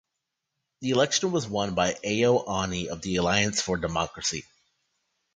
The election was won by Ayo Oni of the Alliance for Democracy.